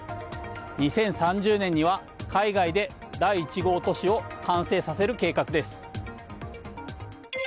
２０３０年には海外で第１号都市を完成させる計画です。